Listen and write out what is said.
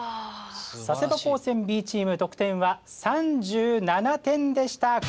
佐世保高専Ｂチーム得点は３７点でした！